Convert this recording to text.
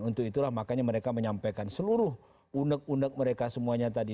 untuk itulah makanya mereka menyampaikan seluruh unek unek mereka semuanya tadi